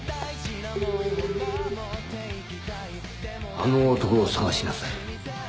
あの男を捜しなさい。